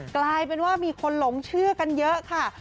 กลายเป็นว่ามีคนหลงเชื่อกันเยอะค่ะ